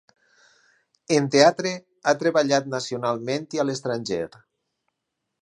En teatre ha treballat nacionalment i a l'estranger.